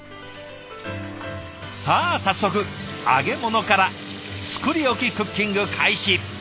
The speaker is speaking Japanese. さあ早速揚げ物から作り置きクッキング開始。